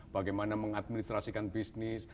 bagaimana mengadministrasikan bisnis